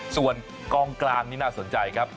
ส่วนกองกลางนี่น่าสนใจครับ